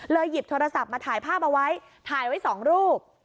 หยิบโทรศัพท์มาถ่ายภาพเอาไว้ถ่ายไว้๒รูป